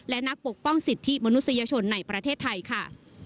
และนักปกป้องสิทธิมนุษยชนในประเทศไทยค่ะ